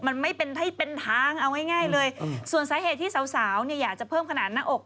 มันไม่เป็นให้เป็นทางเอาง่ายเลยส่วนสาเหตุที่สาวเนี่ยอยากจะเพิ่มขนาดหน้าอก